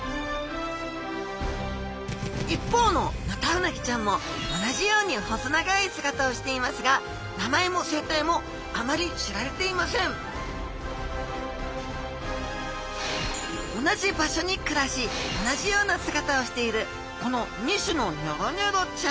一方のヌタウナギちゃんも同じように細長い姿をしていますが名前も生態もあまり知られていません同じ場所に暮らし同じような姿をしているこの２種のニョロニョロちゃん。